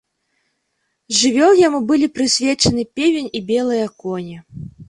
З жывёл яму былі прысвечаны певень і белыя коні.